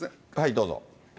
どうぞ。